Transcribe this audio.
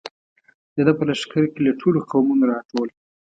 د ده په لښکر کې له ټولو قومونو را ټول.